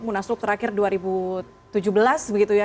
munaslup terakhir dua ribu tujuh belas begitu ya